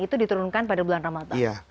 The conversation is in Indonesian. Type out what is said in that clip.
itu diturunkan pada bulan ramadan